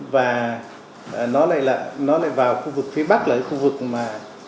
và nó lại vào khu vực phía bắc là khu vực mà